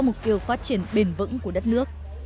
mục tiêu phát triển bền vững của đất nước